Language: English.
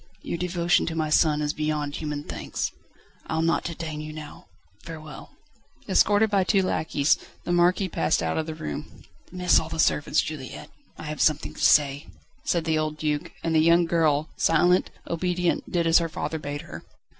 Your devotion to my son is beyond human thanks. I'll not detain you now. Farewell." Escorted by two lacqueys, the Marquis passed out of the room. "Dismiss all the servants, Juliette; I have something to say," said the old Duc, and the young girl, silent, obedient, did as her father bade her.